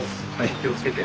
お気をつけて。